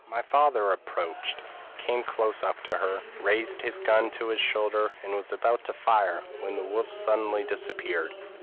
My father approached, came close up to her, raised his gun to his shoulder, and was about to fire, when the wolf suddenly disappeared.